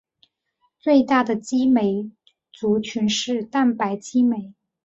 最大的激酶族群是蛋白激酶。